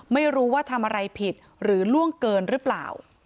ไม่รู้ว่าทำอะไรผิดหรือล่วงเกินหรือเปล่า